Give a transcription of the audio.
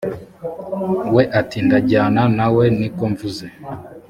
we ati ndajyana na we nikomvuze